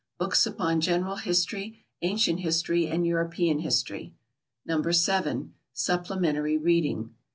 Books upon General History, Ancient History and European History. No. 7. Supplementary Reading.